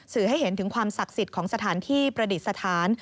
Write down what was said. ให้เห็นถึงความศักดิ์สิทธิ์ของสถานที่ประดิษฐาน